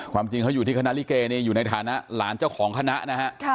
จริงเขาอยู่ที่คณะลิเกอยู่ในฐานะหลานเจ้าของคณะนะฮะ